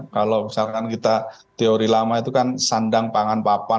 kalau misalkan kita teori lama itu kan sandang pangan papan